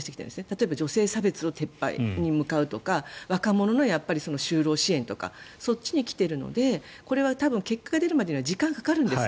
例えば女性差別の撤廃に向かうとか若者の就労支援とかそっちに来ているのでこれは多分、結果が出るまでは時間がかかるんです。